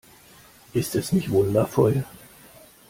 Ist es nicht wundervoll?